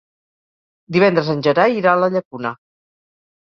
Divendres en Gerai irà a la Llacuna.